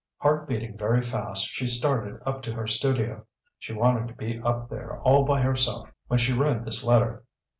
Heart beating very fast, she started up to her studio. She wanted to be up there, all by herself, when she read this letter.